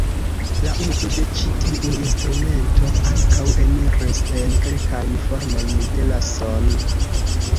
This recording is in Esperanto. La uzo de ĉi tiu instrumento ankaŭ eniris en kelkajn formojn de la "son".